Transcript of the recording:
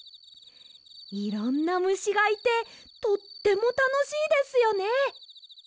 いろんなむしがいてとってもたのしいですよね。